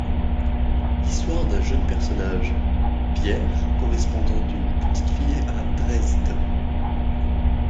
Histoire d'un jeune personnage, Pierre, correspondant d'une petite fille à Dresde.